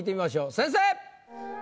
先生！